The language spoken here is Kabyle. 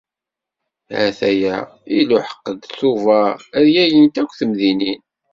Ha-t-aya iluḥeq-d tubeṛ rgagint akk temdinin.